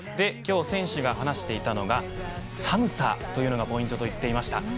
今日選手が話していたのが寒さというのがポイントと言っていました。